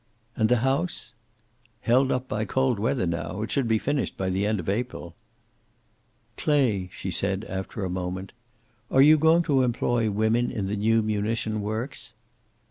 "And the house?" "Held up by cold weather now. It should be finished by the end of April." "Clay," she said, after a moment, "are you going to employ women in the new munition works?"